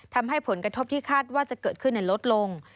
ทำให้ผลกระทบที่คาดว่าจะเกิดขึ้นลดลง